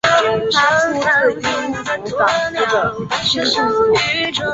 他出身自因弗内斯的青训系统。